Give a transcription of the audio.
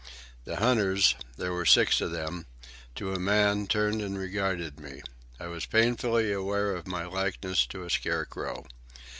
The hunters,—there were six of them,—to a man, turned and regarded me. I was painfully aware of my likeness to a scarecrow.